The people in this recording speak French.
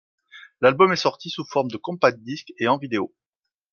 L'album est sorti sous forme de Compact Disc et en vidéo.